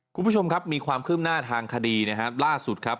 คุณผู้ชมครับมีความขึ้นหน้าทางคดีล่าสุดครับ